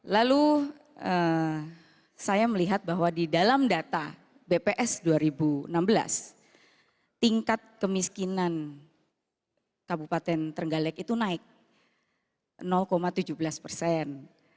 lalu saya melihat bahwa di dalam data bps dua ribu enam belas tingkat kemiskinan kabupaten trenggalek itu naik tujuh belas persen